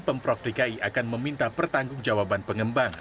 pemprov dki akan meminta pertanggung jawaban pengembang